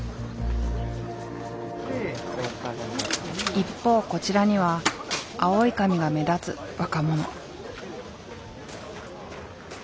一方こちらには青い髪が目立つ若者。